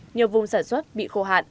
nhiều vùng sản xuất bị khô hạt